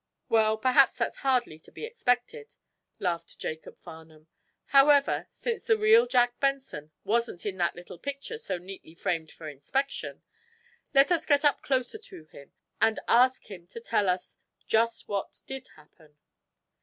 "Well, perhaps that's hardly to be expected." laughed Jacob Farnum. "However, since the real Jack Benson wasn't in that little picture so neatly framed for inspection, let us get up closer to him, and ask him to tell us just what did happen."